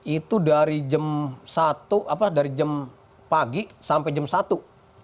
itu dari jam satu apa dari jam pagi sampai jam satu